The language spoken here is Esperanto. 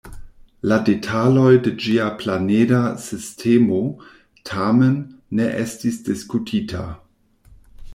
La detaloj de ĝia planeda sistemo, tamen, ne estis diskutita.